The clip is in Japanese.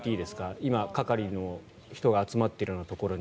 今、係の人が集まっているところに。